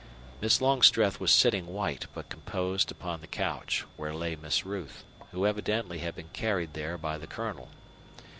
Miss Longstreth was sitting white but composed upon the couch, where lay Miss Ruth, who evidently had been carried there by the Colonel.